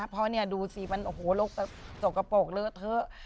เพราะเนี่ยดูสิมันโหโหโลกสกปรกเลือดเทอะ